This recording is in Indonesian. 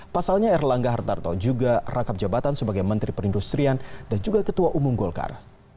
pasalnya erlangga hartarto juga rangkap jabatan sebagai menteri perindustrian dan juga ketua umum golkar